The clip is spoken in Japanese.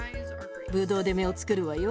ぶどうで目をつくるわよ。